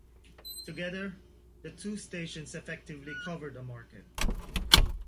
Together, the two stations effectively cover the market.